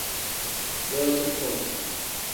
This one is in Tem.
Yooti foo.